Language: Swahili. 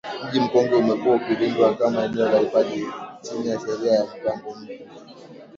Mji Mkongwe umekuwa ukilindwa kama eneo la hifadhi chini ya Sheria ya Mipango Mji